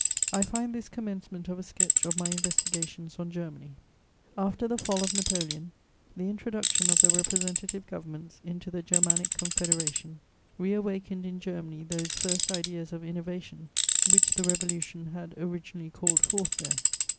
I find this commencement of a sketch of my investigations on Germany: "After the fall of Napoleon, the introduction of the representative governments into the Germanic Confederation reawakened in Germany those first ideas of innovation which the Revolution had originally called forth there.